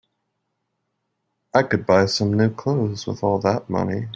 I could buy some new clothes with all that money.